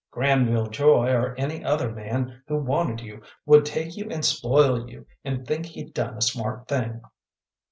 Granville Joy, or any other man who wanted you, would take you and spoil you, and think he'd done a smart thing."